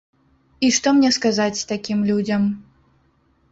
І што мне сказаць такім людзям?